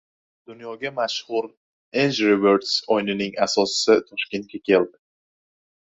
Dunyoga mashhur Angry Birds o‘yini asoschisi Toshkentga keldi